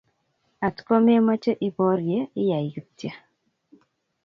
Atkomemoche iborye, ayae kityo